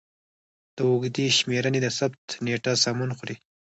د اوږدې شمېرنې د ثبت نېټه سمون خوري.